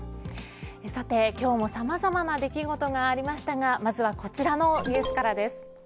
さて今日もさまざまな出来事がありましたがまずはこちらのニュースからです。